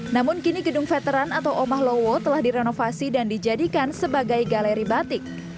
namun kini gedung veteran atau omah lowo telah direnovasi dan dijadikan sebagai galeri batik